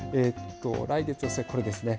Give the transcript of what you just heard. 来月の末、これですね。